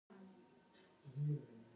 تدریجي بدلون د نامعلوم لوري مخه نیسي.